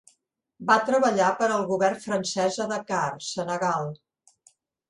Va treballar per al govern francès a Dakar, Senegal.